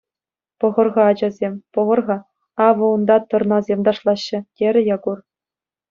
— Пӑхӑр-ха, ачасем, пӑхӑр-ха, авӑ унта тӑрнасем ташлаҫҫӗ, — терӗ Якур.